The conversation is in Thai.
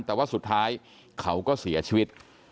แต่ว่าสุดท้ายเขาก็เสียชีวิต